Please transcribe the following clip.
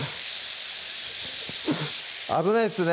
危ないですね